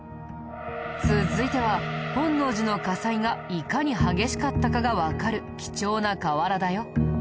続いては本能寺の火災がいかに激しかったかがわかる貴重な瓦だよ。